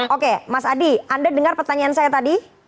oke mas adi anda dengar pertanyaan saya tadi